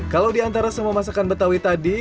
kalau diantara semua masakan betawi tadi